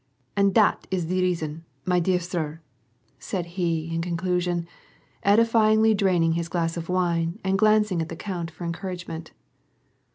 And dat is de reason, my dear sir," said he, in con clusion, edifyingly draining his glass of wine and glancing at the count for encouragement.